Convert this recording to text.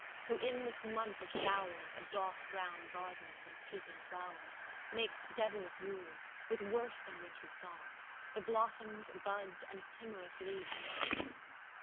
who in this month of showers, Of dark brown gardens, and of peeping flowers, Mak'st Devils' yule, with worse than wintry song, The blossoms, buds, and timorous leaves among.